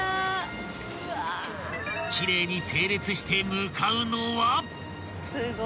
［奇麗に整列して向かうのは］